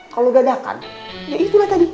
kalau dadakan ya itulah tadi